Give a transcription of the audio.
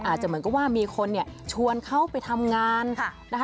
อาจจะเหมือนกับว่ามีคนเนี่ยชวนเขาไปทำงานนะคะ